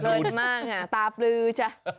เผลินมากตาปลือจ้ะ